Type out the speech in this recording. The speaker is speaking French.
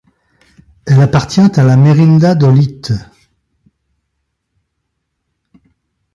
Elle appartient à la Merindad d'Olite.